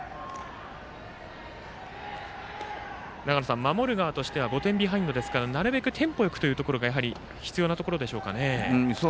長野さん、守る側としては５点ビハインドですからなるべくテンポよくというところ必要なところでしょうかね。